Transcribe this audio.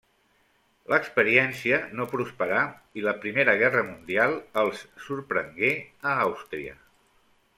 L'experiència no prosperà i la Primera Guerra Mundial els sorprengué a Àustria.